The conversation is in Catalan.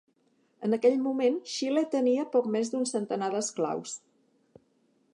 En aquell moment, Xile tenia poc més d'un centenar d'esclaus.